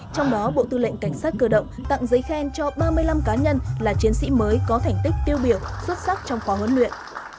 trong đó bộ tư lệnh cảnh sát cơ động tặng giấy khen cho ba mươi năm cá nhân là chiến sĩ mới có thành tích tiêu biểu xuất sắc trong khóa huấn luyện